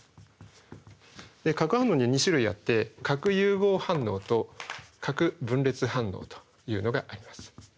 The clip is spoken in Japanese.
で核反応には２種類あって核融合反応と核分裂反応というのがあります。